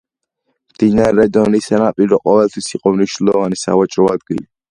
მდინარე დონის სანაპირო ყოველთვის იყო მნიშვნელოვანი სავაჭრო ადგილი.